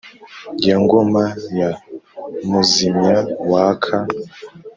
ya ngoma ya muzimya-waka,